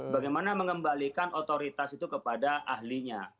bagaimana mengembalikan otoritas itu kepada ahlinya